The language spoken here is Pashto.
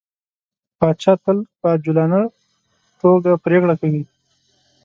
پاچا تل په عجولانه ټوګه پرېکړه کوي.